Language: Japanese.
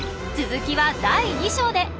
続きは第２章で。